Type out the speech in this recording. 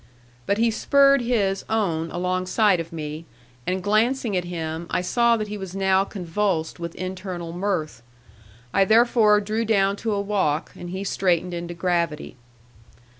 But he spurred his own alongside of me; and glancing at him, I saw that he was now convulsed with internal mirth. I therefore drew down to a walk, and he straightened into gravity.